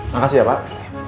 makasih ya pak